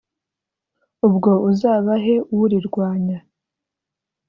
ubwo uzabahe urirwanya